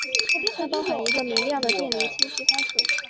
它包含一个明亮的电离氢区发射。